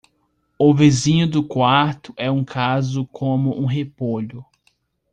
O vizinho do quarto é um caso como um repolho.